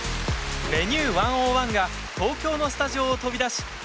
「Ｖｅｎｕｅ１０１」が東京のスタジオを飛び出し